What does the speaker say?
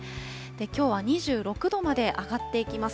きょうは２６度まで上がっていきます。